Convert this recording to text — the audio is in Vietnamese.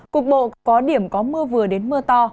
cục bộ có điểm có mưa vừa đến mưa to